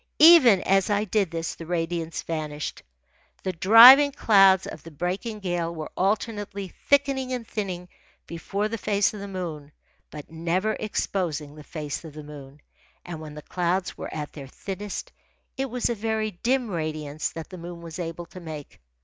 Even as I did this, the radiance vanished. The driving clouds of the breaking gale were alternately thickening and thinning before the face of the moon, but never exposing the face of the moon. And when the clouds were at their thinnest, it was a very dim radiance that the moon was able to make.